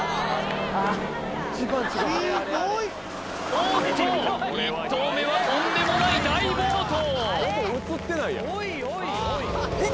おっと１投目はとんでもない大暴投